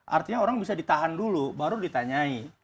artinya orang bisa ditahan dulu baru ditanyai